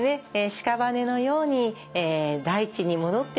しかばねのように大地に戻っていく。